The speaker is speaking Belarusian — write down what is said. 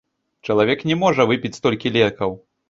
Чалавек не можа выпіць столькі лекаў.